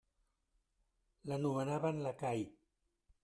L'anomenaven lacai.